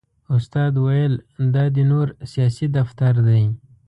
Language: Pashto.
استاد ویل دا د نور سیاسي دفتر دی.